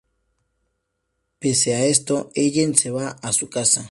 Pese a esto, Ellen se va a su casa.